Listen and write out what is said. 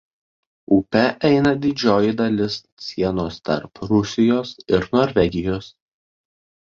Upe eina didžioji dalis sienos tarp Rusijos ir Norvegijos.